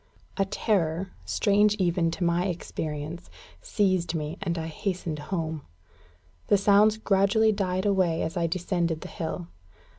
A terror strange even to my experience seized me, and I hastened home. The sounds gradually died away as I descended the hill.